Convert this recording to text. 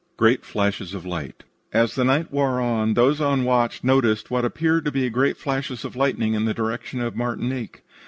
GREAT FLASHES OF LIGHT "As the night wore on those on watch noticed what appeared to be great flashes of lightning in the direction of Martinique.